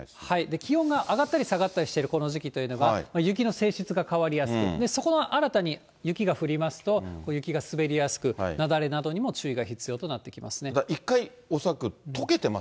気温が下がったり、下がったりしているこの時期というのは、雪の性質が変わりやすく、そこに新たに雪が降りますと、雪が滑りやすく、「アロマリッチ」しよ